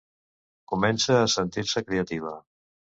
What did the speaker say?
Comença a sentir-se creativa.